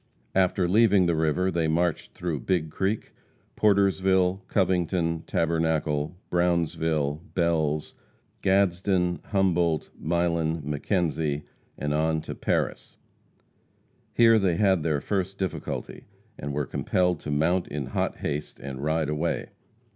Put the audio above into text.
After leaving the river they marched through Big Creek, Portersville, Covington, Tabernacle, Brownsville, Bell's, Gadsden, Humboldt, Milan, McKenzie, and on to Paris. Here they had their first difficulty, and were compelled to mount in hot haste and ride away.